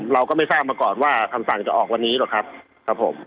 เราก็ไม่ทราบมาก่อนว่าคำสั่งจะออกวันนี้หรอกครับครับผม